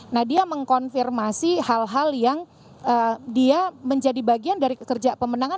nah dia mengkonfirmasi hal hal yang dia menjadi bagian dari kerja pemenangan